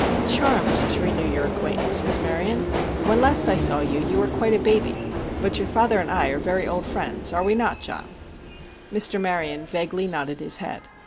"Charmed to renew your acquaintance, Miss Maryon. When last I saw you, you were quite a baby; but your father and I are very old friends—are we not, John?" Mr. Maryon vaguely nodded his head.